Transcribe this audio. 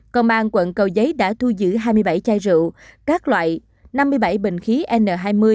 công an quận cầu giấy đã thu giữ hai mươi bảy chai rượu các loại năm mươi bảy bình khí n hai mươi